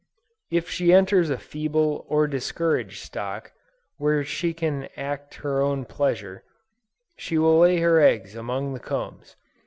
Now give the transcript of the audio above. If she enters a feeble or discouraged stock, where she can act her own pleasure, she will lay her eggs among the combs.